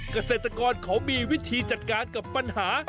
เกษตรกรเขามีวิธีจัดการกับปัญหา